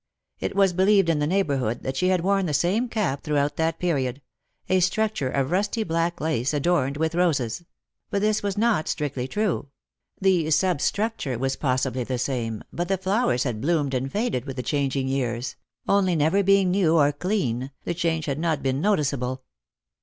It was believed in the neighbourhood that she had worn the same cap throughout that period — a structure of rusty black lace adorned with roses ; but this was not strictly true. The substructure was possibly the same, but the flowers had bloomed and faded with the changing years ; only never being new or clean, the change had not been noticeable.